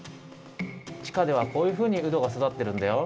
ちかではこういうふうにうどがそだってるんだよ。